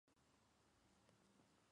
Estudió Comunicación Social.